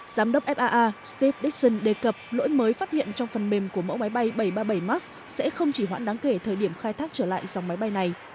giám đốc faa step dixon đề cập lỗi mới phát hiện trong phần mềm của mẫu máy bay bảy trăm ba mươi bảy max sẽ không chỉ hoãn đáng kể thời điểm khai thác trở lại dòng máy bay này